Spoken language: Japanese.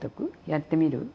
やってみる？